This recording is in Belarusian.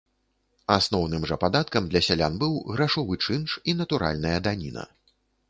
Асноўным жа падаткам для сялян быў грашовы чынш і натуральная даніна.